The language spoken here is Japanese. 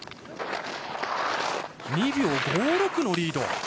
２秒５６のリード！